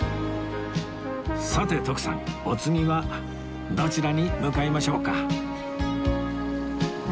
さて徳さんお次はどちらに向かいましょうか？